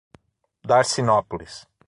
Darcinópolis